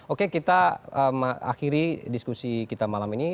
oke kita akhiri diskusi kita malam ini